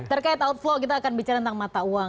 terkait outflow kita akan bicara tentang mata uang